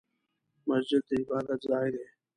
مسجد د عبادت ځای دی